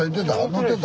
乗ってた？